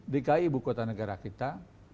dki ibu kota negara kita